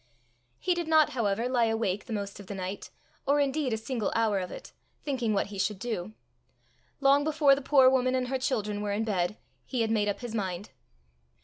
He did not, however, lie awake the most of the night, or indeed a single hour of it, thinking what he should do; long before the poor woman and her children were in bed, he had made up his mind.